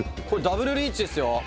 「これダブルリーチですよ」